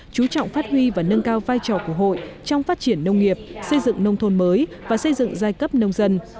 chú trọng phát huy và nâng cao vai trò của hội trong phát triển nông nghiệp xây dựng nông thôn mới và xây dựng giai cấp nông dân